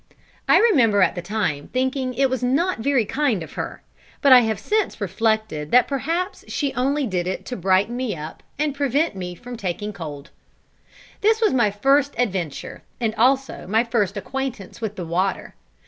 I remember at the time thinking it was not very kind of her; but I have since reflected that perhaps she only did it to brighten me up and prevent me taking cold. This was my first adventure, and also my first acquaintance with the water.